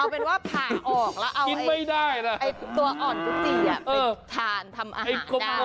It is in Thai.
เอาเป็นว่าผ่านออกแล้วเอาไอ้ตัวอ่อนกุจีไปทานทำอาหารได้